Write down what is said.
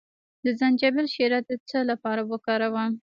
د زنجبیل شیره د څه لپاره وکاروم؟